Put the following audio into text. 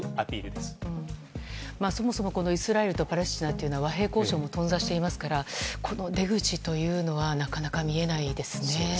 そもそもイスラエルとパレスチナというのは和平交渉もとん挫しているのでこの出口というのはなかなか見えないですね。